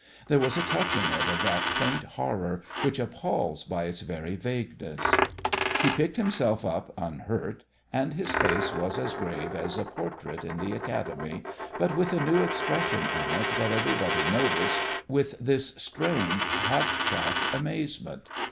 There was a touch in it of that faint horror which appals by its very vagueness. He picked himself up unhurt, and his face was as grave as a portrait in the academy, but with a new expression in it that everybody noticed with this strange, half shocked amazement.